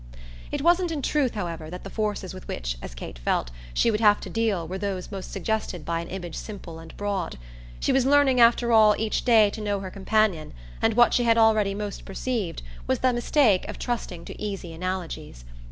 It wasn't in truth, however, that the forces with which, as Kate felt, she would have to deal were those most suggested by an image simple and broad; she was learning after all each day to know her companion, and what she had already most perceived was the mistake of trusting to easy analogies.